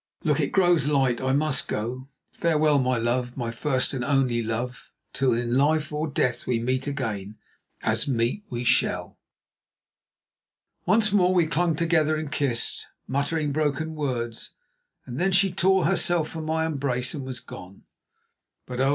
Look, it grows light. I must go. Farewell, my love, my first and only love, till in life or death we meet again, as meet we shall." Once more we clung together and kissed, muttering broken words, and then she tore herself from my embrace and was gone. But oh!